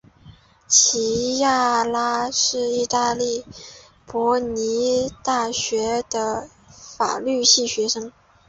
琪亚拉是意大利博科尼大学的法律系学生。